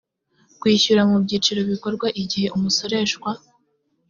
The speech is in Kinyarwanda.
kwishyura mu byiciro bikorwa igihe umusoreshwa